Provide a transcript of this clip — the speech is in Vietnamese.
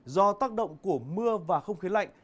do tác động của mưa và không khí lạnh